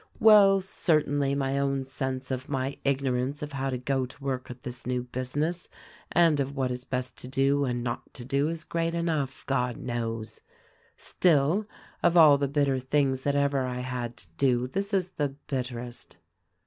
Well, certa/inly my own sense of my ignorance of how to go to work at this new business and of what is best to do and not to do, is great enough, God knows ! Still, of all the bitter things that ever I had to do, this is the bitterest."